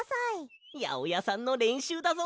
やおやさんのれんしゅうだぞ。